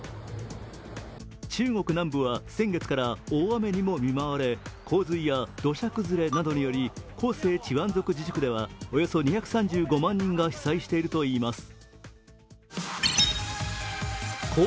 中国南部は先月から大雨にも見舞われ、洪水や土砂崩れなどにより広西チワン族自治区ではおよそ２３５万人が被災しているといいます。